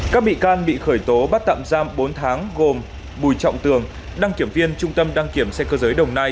các bị can bị khởi tố bắt tạm giam bốn tháng gồm bùi trọng tường đăng kiểm viên trung tâm đăng kiểm xe cơ giới đồng nai